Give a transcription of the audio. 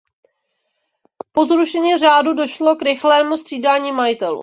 Po zrušení řádu došlo k rychlému střídání majitelů.